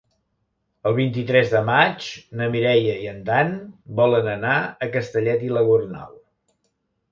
El vint-i-tres de maig na Mireia i en Dan volen anar a Castellet i la Gornal.